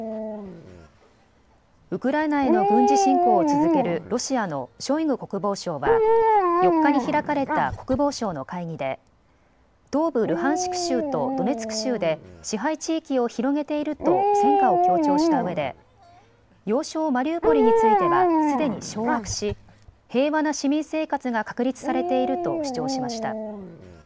ウクライナへの軍事侵攻を続けるロシアのショイグ国防相は４日に開かれた国防省の会議で東部ルハンシク州とドネツク州で支配地域を広げていると戦果を強調したうえで要衝マリウポリについてはすでに掌握し平和な市民生活が確立されていると主張しました。